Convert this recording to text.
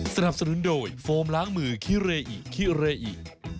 สนับสนุนโดยโฟมล้างมือคิเรอิคิเรอิ